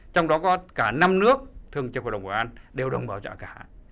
trong đó có cả năm nước thường cho cộng đồng của asean đều đồng bảo trợ cả